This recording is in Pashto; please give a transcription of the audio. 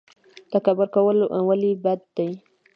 تکبر کول ولې بد دي؟